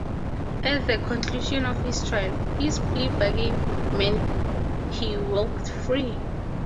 At the conclusion of his trial, his plea bargain meant he walked free.